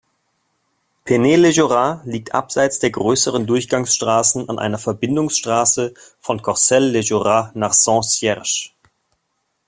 Peney-le-Jorat liegt abseits der grösseren Durchgangsstrassen an einer Verbindungsstrasse von Corcelles-le-Jorat nach Saint-Cierges.